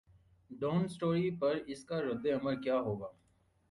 Dawn story پر اس کا ردعمل کیا ہو گا؟